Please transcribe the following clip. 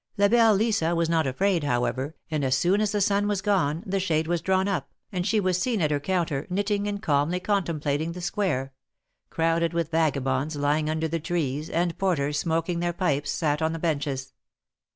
La belle Lisa was not afraid, however, and as soon as the sun was gone, the shade was drawn up, and she was seen at her counter, knitting and calmly contemplating the Square — crowded with vagabonds lying under the trees, and porters smoking their pipes sat on the benches.